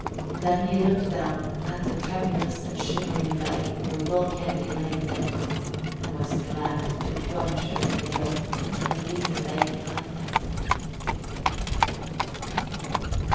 Then he looked down at the tremulous and shimmering bay where Will Canty lay dead, and was glad to plunge over the hill and leave the bay behind him.